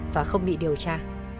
và không bị điều tra